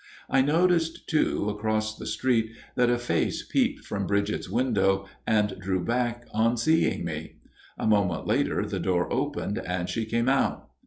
I noticed too, across the street that a face peeped from Bridget's window and drew back on seeing me. A moment later the door opened and she came out.